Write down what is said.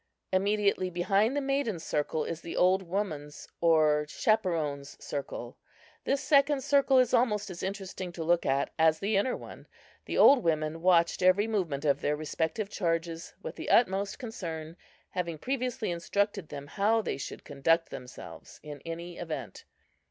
Immediately behind the maidens' circle is the old women's or chaperons' circle. This second circle is almost as interesting to look at as the inner one. The old women watched every movement of their respective charges with the utmost concern, having previously instructed them how they should conduct themselves in any event.